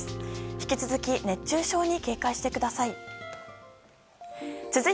引き続き熱中症に警戒してください。